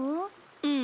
うん。